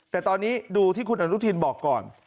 แต่ตอนนี้ดูที่คุณอนุทินบอกก่อน